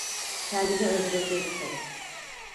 Kendini öldüreceksin.